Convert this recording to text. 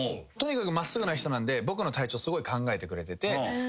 とにかく真っすぐな人なんで僕の体調すごい考えてくれてて。